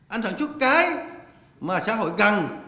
anh sản xuất cái mà xã hội gần